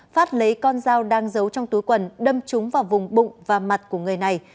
phát lấy con dao đang giấu trong túi quần đâm chúng vào vùng bụng và mặt của người này